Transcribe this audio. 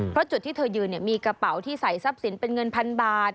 เพราะจุดที่เธอยืนมีกระเป๋าที่ใส่ทรัพย์สินเป็นเงินพันบาท